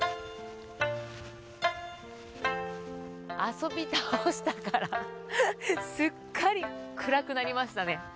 遊び倒したから、すっかり暗くなりましたね。